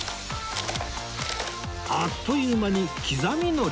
あっという間に刻みのりに！